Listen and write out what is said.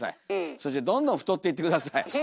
そしてどんどん太っていって下さい。